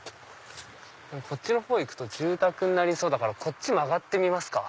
こっちのほう行くと住宅になりそうだからこっち曲がってみますか。